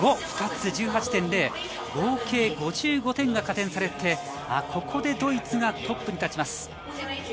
合計５５点が加点されて、ここでドイツがトップに立ちます。